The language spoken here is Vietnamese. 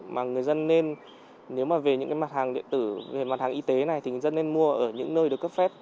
mà người dân nên nếu mà về những cái mặt hàng điện tử về mặt hàng y tế này thì người dân nên mua ở những nơi được cấp phép